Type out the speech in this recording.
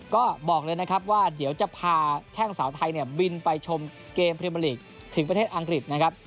ก็บอกเลยนะครับว่าเดี๋ยวจะพาแข้งสาวไทยเนี่ยบินไปชมเกมพรีเมอร์ลีกถึงประเทศอังกฤษนะครับ